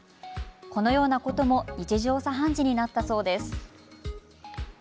このようなことも日常茶飯事になったそうです。